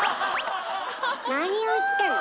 なにを言ってんの。